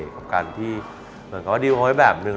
กับการที่เหมือนกับว่าดิวเขาไว้แบบนึง